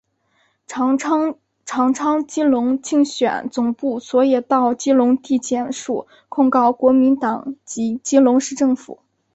长昌基隆竞选总部昨也到基隆地检署控告国民党及基隆市政府。